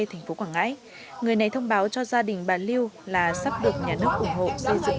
thành phố quảng ngãi người này thông báo cho gia đình bà lưu là sắp được nhà nước ủng hộ xây dựng